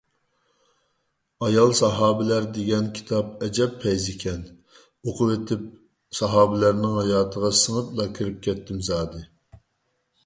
«ئايال ساھابىلەر» دېگەن كىتاب ئەجەب پەيزىكەن، ئوقۇۋېتىپ ساھابىلەرنىڭ ھاياتىغا سىڭىپلا كىرىپ كەتتىم زادى.